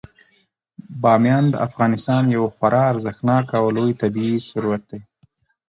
بامیان د افغانستان یو خورا ارزښتناک او لوی طبعي ثروت دی.